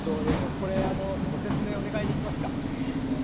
これあのご説明お願いできますか。